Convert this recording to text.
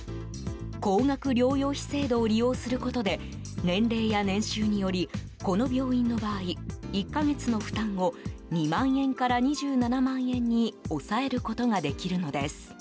高額療養費制度を利用することで年齢や年収によりこの病院の場合、１か月の負担を２万円から２７万円に抑えることができるのです。